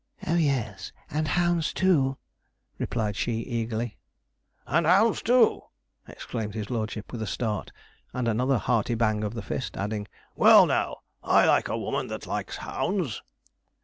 'Oh yes; and hounds, too!' replied she eagerly. 'And hounds, too!' exclaimed his lordship, with a start, and another hearty bang of the fist, adding, 'well, now, I like a woman that likes hounds.'